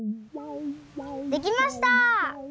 できました！